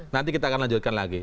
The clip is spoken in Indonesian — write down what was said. nanti kita akan lanjutkan lagi